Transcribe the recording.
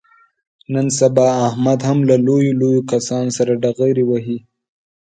نن سبا احمد هم له لویو لویو کسانو سره ډغرې وهي.